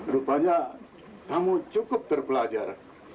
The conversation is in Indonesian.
rupanya kamu cukup terpelajar